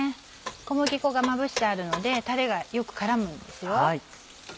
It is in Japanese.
小麦粉がまぶしてあるのでタレがよく絡むんですよ。